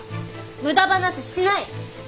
無駄話しない。